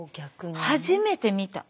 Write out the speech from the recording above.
初めて見た。